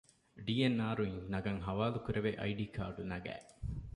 ޑީ. އެން. އާރު އިން ނަގަން ޙަވާލުކުރެވޭ އައި ޑީ ކާޑު ނަގައި